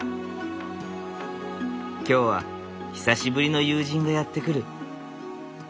今日は久しぶりの友人がやって来る。